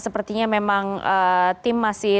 sepertinya memang tim masih